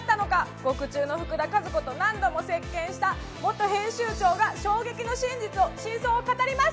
獄中の福田和子と何度も接見した元編集長が衝撃の真相を語ります。